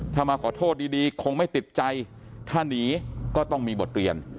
ถ้ามาขอโทษดีคงไม่ติดใจถ้าหนีก็ต้องมีบทเรียน